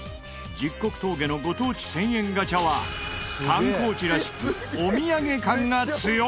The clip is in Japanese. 十国峠のご当地１０００円ガチャは観光地らしくお土産感が強め。